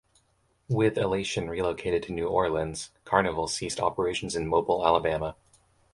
With "Elation" relocated to New Orleans, Carnival ceased operations in Mobile, Alabama.